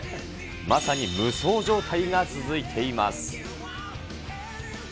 まさに無双状態が続いています。